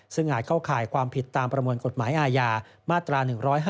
ซึ่งอาจเข้าข่ายความผิดตามประมวลกฎหมายอาญามาตรา๑๕